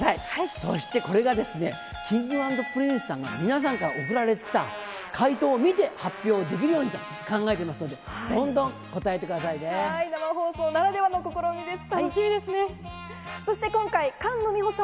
そしてこれがですね、Ｋｉｎｇ＆Ｐｒｉｎｃｅさんが、皆さんから送られてきた回答を見て、発表できるようにと考えてますので、生放送ならではの試みです。